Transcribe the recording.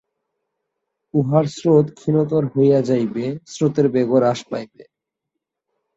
উহার স্রোত ক্ষীণতর হইয়া যাইবে, স্রোতের বেগও হ্রাস পাইবে।